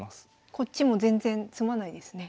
こっちも全然詰まないですね。